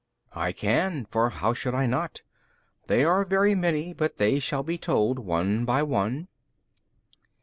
B. I can, for how should I not? they are very many, but they shall be told one by one.